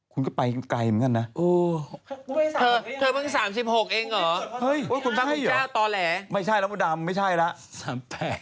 กระเทยเก่งกว่าเออแสดงความเป็นเจ้าข้าว